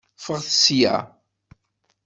Ffɣet sya.